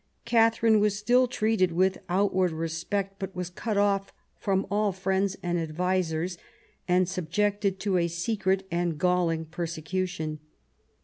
Katharine was still treated with outward respect, but was cut off from all friends and advisers, and subjected to a secret and galling persecution.